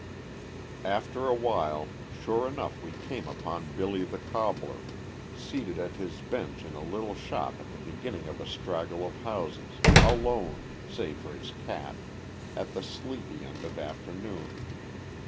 After a while, sure enough we came upon "Billy the Cobbler," seated at his bench in a little shop at the beginning of a straggle of houses, alone, save for his cat, at the sleepy end of afternoon.